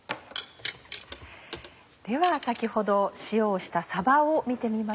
では先ほど塩をしたさばを見てみましょう。